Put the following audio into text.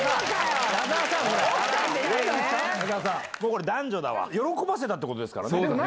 これ男女だわ喜ばせたってことですからね。